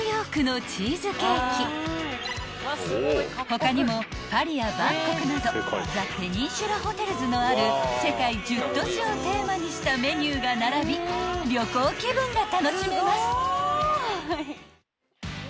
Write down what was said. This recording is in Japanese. ［他にもパリやバンコクなどザ・ペニンシュラホテルズのある世界１０都市をテーマにしたメニューが並び旅行気分が楽しめます］